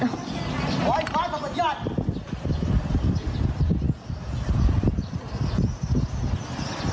หัวใหญ่ฝ้าสำหรับย่าน